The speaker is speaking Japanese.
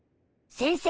先生。